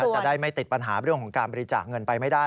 จะได้ไม่ติดปัญหาเรื่องของการบริจาคเงินไปไม่ได้